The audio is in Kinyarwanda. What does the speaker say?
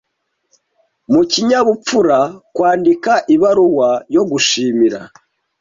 Mu kinyabupfura kwandika ibaruwa yo gushimira.